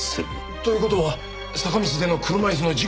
という事は坂道での車椅子の事故は。